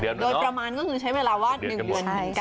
โดยประมาณก็คือใช้เวลาวาด๑เดือน